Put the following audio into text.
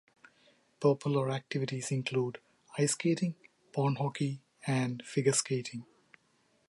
Popular activities include ice skating, pond hockey, and figure skating.